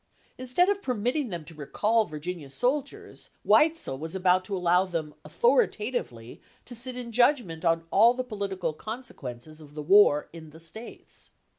Instead of permitting them to recall Virginia soldiers, Weitzel was about to allow them authoritatively to sit in judgment on all the political consequences of the war "in the States."